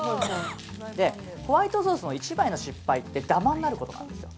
ホワイトソースの一番の失敗ってダマになることなんですよ。